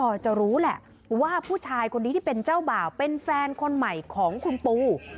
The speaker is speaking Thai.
พอจะรู้แหละว่าผู้ชายคนนี้ที่เป็นเจ้าบ่าวเป็นแฟนคนใหม่ของคุณปู